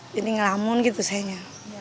jadi ngelamun gitu sayangnya